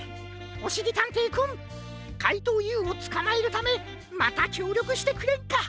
おしりたんていくんかいとうＵをつかまえるためまたきょうりょくしてくれんか。